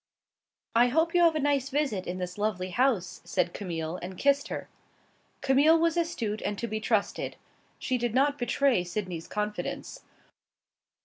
"I hope you have a nice visit in this lovely house," said Camille, and kissed her. Camille was astute, and to be trusted. She did not betray Sydney's confidence.